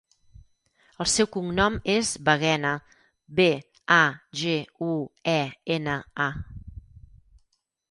El seu cognom és Baguena: be, a, ge, u, e, ena, a.